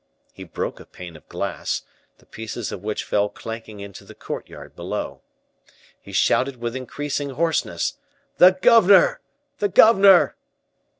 He broke a pane of glass, the pieces of which fell clanking into the courtyard below. He shouted with increasing hoarseness, "The governor, the governor!"